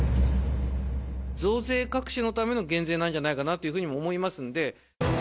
増税隠しのための減税なんじゃないかなというふうにも思いますんで。